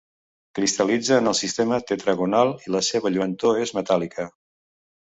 Cristal·litza en el sistema tetragonal i la seva lluentor és metàl·lica.